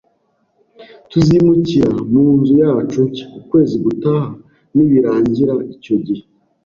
Tuzimukira munzu yacu nshya ukwezi gutaha nibirangira icyo gihe